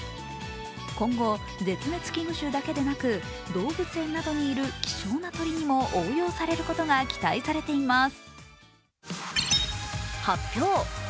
今後、絶滅危惧種だけでなく動物園などにいる希少な鳥などにも応用されることが期待されています。